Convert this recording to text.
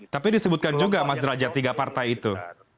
tapi disebutkan juga mas derajatiga partai itu